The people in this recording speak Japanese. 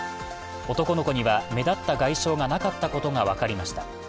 男の子には目立った外傷がなかったことが分かりました。